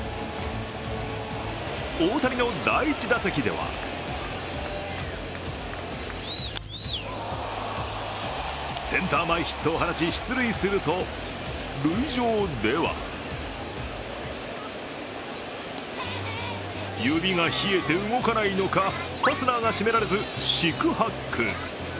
大谷の第１打席ではセンター前ヒットを放ち出塁すると、塁上では指が冷えて動かないのかファスナーが閉められず四苦八苦。